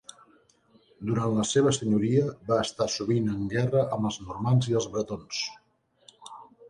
Durant la seva senyoria, va estar sovint en guerra amb els normands i els bretons.